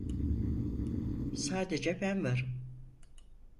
Sadece ben varım.